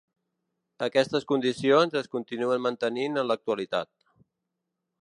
Aquestes condicions es continuen mantenint en l’actualitat.